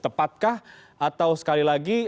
tepat kah atau sekali lagi